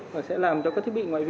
và sẽ làm cho các thiết bị ngoại vi